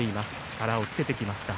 力をつけてきました。